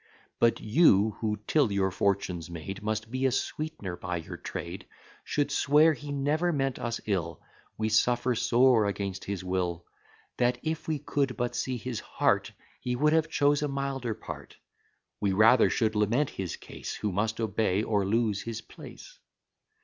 But you, who, till your fortune's made, Must be a sweetener by your trade, Should swear he never meant us ill; We suffer sore against his will; That, if we could but see his heart, He would have chose a milder part: We rather should lament his case, Who must obey, or lose his place.